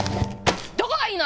どこがいいの！